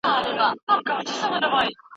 د څيړني لپاره باید پوره او کره معلومات ولرو.